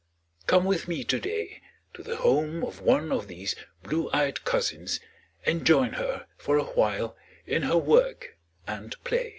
Come with me to day to the home of one of these blue eyed cousins and join her for a while in her work and play.